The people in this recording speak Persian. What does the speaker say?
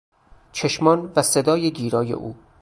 چشمان و صدای گیرای او